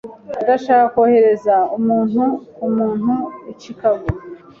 Ndashaka kohereza umuntu-ku-muntu i Chicago.